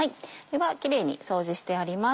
キレイに掃除してあります。